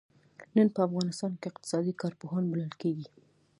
نن په افغانستان کې اقتصادي کارپوهان بلل کېږي.